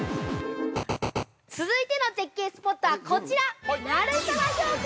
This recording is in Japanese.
◆続いての絶景スポットはこちら鳴沢氷穴